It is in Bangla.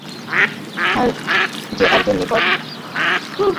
আর্যের নিকট স্বয়ং ভগবানই সেই আনন্দ-নিকেতন।